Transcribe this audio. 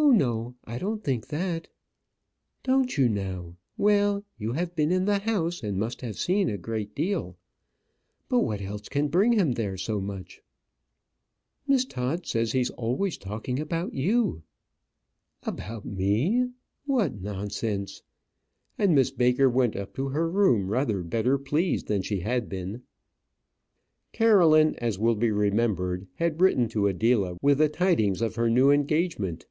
"Oh, no; I don't think that." "Don't you now? Well, you have been in the house, and must have seen a great deal. But what else can bring him there so much?" "Miss Todd says he's always talking about you." "About me; what nonsense!" And Miss Baker went up to her room rather better pleased than she had been. Caroline, as will be remembered, had written to Adela with the tidings of her new engagement.